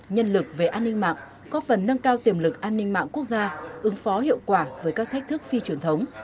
nhân lực về an ninh mạng góp phần nâng cao tiềm lực an ninh mạng quốc gia ứng phó hiệu quả với các thách thức phi truyền thống